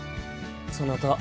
そなた